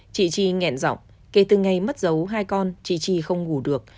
chị chi nghẹn giọng kể từ ngày mất dấu hai con chị chi không ngủ được